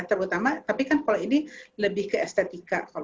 terutama tapi kan kalau ini lebih ke estetika